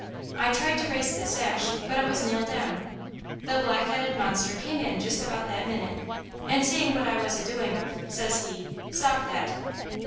I tried to raise the sash, but it was nailed down. The black headed monster came in just about that minute, and seeing what I was a doing of, says he: "'Stop that!'